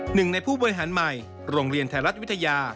หนึ่งในผู้บริหารใหม่โรงเรียนไทยรัฐวิทยา